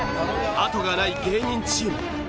あとがない芸人チーム。